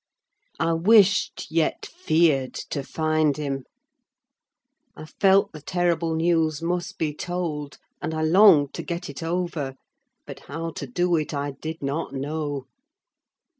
I wished, yet feared, to find him. I felt the terrible news must be told, and I longed to get it over; but how to do it I did not know.